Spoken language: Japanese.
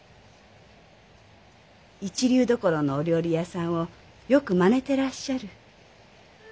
一流どころのお料理屋さんをよくまねてらっしゃる。